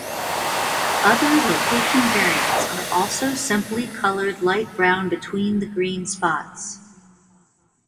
Other location variants are also simply colored light brown between the green spots.